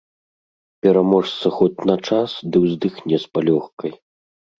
Пераможца хоць на час ды ўздыхне з палёгкай.